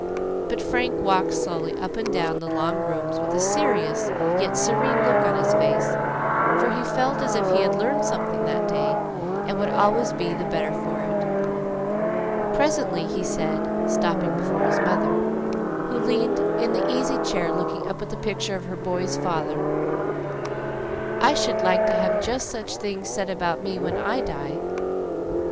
But Frank walked slowly up and down the long rooms with a serious yet serene look on his face, for he felt as if he had learned something that day, and would always be the better for it. Presently he said, stopping before his mother, who leaned in the easy chair looking up at the picture of her boys' father, "I should like to have just such things said about me when I die."